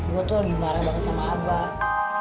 gue tuh lagi marah banget sama abah